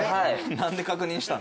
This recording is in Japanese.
何で確認したん？